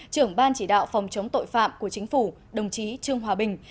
trưởng ban chỉ đạo phòng chống tội phạm của chính phủ đồng chí trương hòa bình